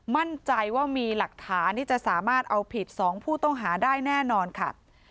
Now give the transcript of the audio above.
มั่นใจว่ามีหลักฐานที่จะสามารถเอาผิด๒ผู้ต้องหาได้แน่นอนค่ะ